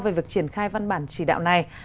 về việc triển khai văn bản chỉ đạo này